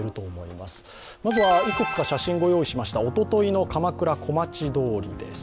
まずはいくつか写真ご用意しました、おとといの鎌倉小町通りです